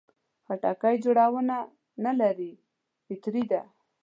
خټکی جوړونه نه لري، فطري ده.